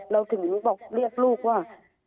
เราถึงบอกเรียกลูกว่า